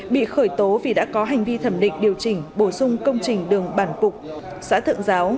bị khởi tố vì đã có hành vi thẩm định điều chỉnh bổ sung công trình đường bản phục xã thượng giáo